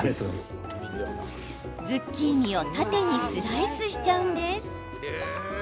ズッキーニを縦にスライスしちゃうんです。